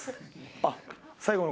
あっ。